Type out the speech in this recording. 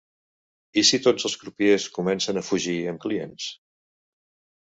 I si tots els crupiers comencen a fugir amb clients?